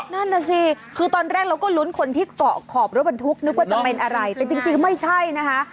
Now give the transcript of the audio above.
นั่นน่ะสิคือตอนแรกเราก็ลุ้นคนที่เกาะขอบรถบรรทุกนึกว่าจะเป็นอะไรแต่จริงไม่ใช่นะคะ